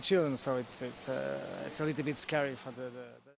jadi itu sedikit menakutkan